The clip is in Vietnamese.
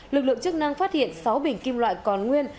lực lượng chức năng phát hiện sáu bình kim loại còn nguyên